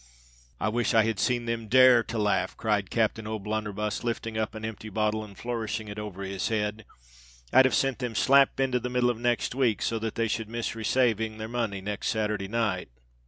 "I wish I had seen them dar r to laugh!" cried Captain O'Blunderbuss, lifting up an empty bottle, and flourishing it over his head: "I'd have sent them slap into the middle of next week, so that they should miss resayving their money next Saturday night."